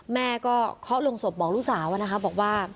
แม่ก็เคาะลงศพบอกลูกสาวนะคะบอกว่า